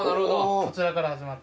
そちらから始まって。